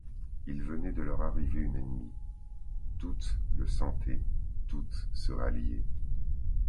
Il venait de leur arriver une ennemie : toutes le sentaient, toutes se ralliaient.